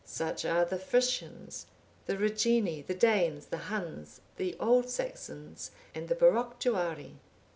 Such are the Frisians, the Rugini, the Danes, the Huns, the Old Saxons, and the Boructuari.